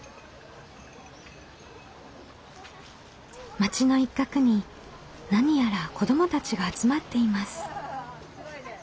町の一角に何やら子どもたちが集まっています。